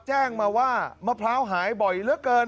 แจ้งมาว่ามะพร้าวหายบ่อยเหลือเกิน